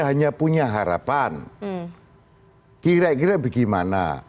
hanya punya harapan kira kira bagaimana oh suatu waktu juga pernah kira kira bagaimana